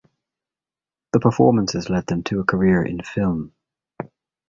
The performances led them to a career in film.